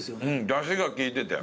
だしが効いてて。